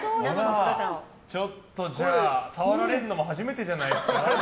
ちょっと、じゃあ触られるのも初めてじゃないですか。